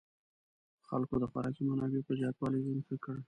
خلکو د خوراکي منابعو په زیاتوالي ژوند ښه کړ.